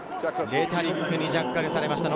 レタリックにジャッカルされました。